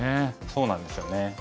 そうなんですよね。